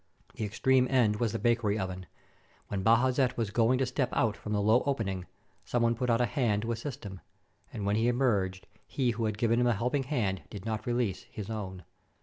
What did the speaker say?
The extreme end was the bakery oven. When Bajazet was going to step out from the low opening, some one put out a hand to assist him; and when he emerged, he who had given him a helping hand did not release his own.